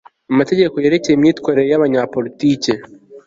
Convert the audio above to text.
amategeko yerekeye imyitwarire y abanyapolitiki